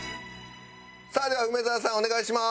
さあでは梅沢さんお願いします。